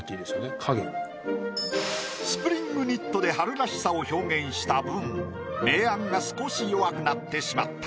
スプリングニットで春らしさを表現した分明暗が少し弱くなってしまった。